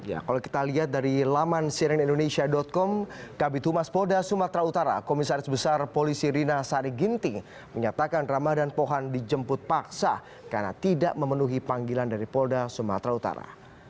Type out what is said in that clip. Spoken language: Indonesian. ya kalau kita lihat dari laman sirenindonesia com kb tumas polda sumatra utara komisaris besar polisi rina sari ginti menyatakan ramadhan pohan dijemput paksa karena tidak memenuhi panggilan dari polda sumatra utara